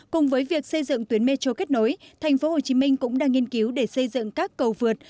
cùng với việc xây dựng tuyến metro kết nối tp hcm cũng đang nghiên cứu để xây dựng các cầu vượt